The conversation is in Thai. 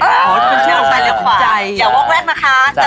อ๋อตัดสินใจ